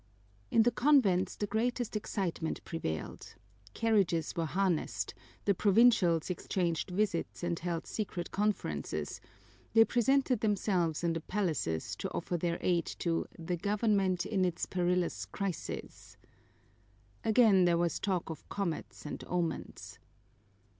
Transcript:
In the convents the greatest excitement prevailed. Carriages were harnessed, the Provincials exchanged visits and held secret conferences; they presented themselves in the palaces to offer their aid to the government in its perilous crisis. Again there was talk of comets and omens.